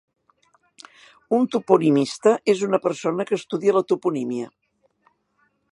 Un "toponimista" és una persona que estudia la toponímia.